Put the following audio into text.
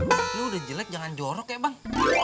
ini udah jelek jangan jorok ya bang